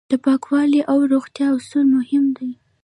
د پاکوالي او روغتیا اصول مهم دي.